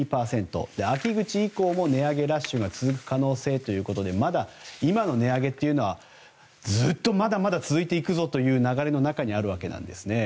秋口以降も値上げラッシュが続く可能性ということでまだ今の値上げはずっとまだまだ続いていくぞという流れの中にあるわけなんですね。